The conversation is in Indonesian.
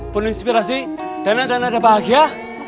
pun inspirasi dan ada ada bahagia